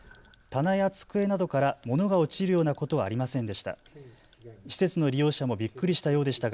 棚や机などから物が落ちるようなことはありませんでした。